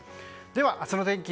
では、明日の天気。